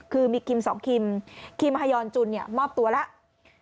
คือมีคิม๒คิมคิมฮายอนจุนมอบตัวแล้ว